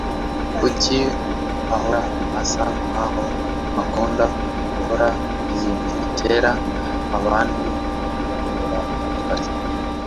Kuki ahora asa nkaho akunda gukora ibintu bitera abandi uburakari?